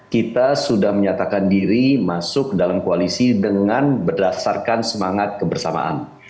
kita sudah menyatakan diri masuk dalam koalisi dengan berdasarkan semangat kebersamaan